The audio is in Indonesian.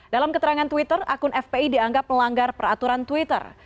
dalam keterangan twitter akun fpi dianggap melanggar peraturan twitter